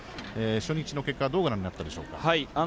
初日の結果はどうご覧になったでしょうか。